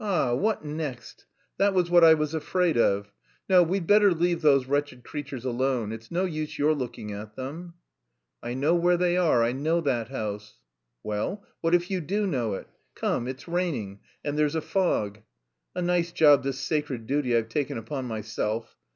"Ah! What next? That was what I was afraid of.... No, we'd better leave those wretched creatures alone; it's no use your looking at them." "I know where they are. I know that house." "Well? What if you do know it? Come; it's raining, and there's a fog. (A nice job this sacred duty I've taken upon myself.)